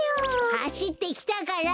はしってきたから！